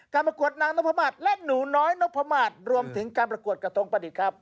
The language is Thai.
ประกวดนางนพมาศและหนูน้อยนพมาศรวมถึงการประกวดกระทงประดิษฐ์ครับ